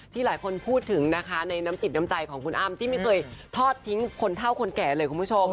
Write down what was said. หลายคนพูดถึงนะคะในน้ำจิตน้ำใจของคุณอ้ำที่ไม่เคยทอดทิ้งคนเท่าคนแก่เลยคุณผู้ชม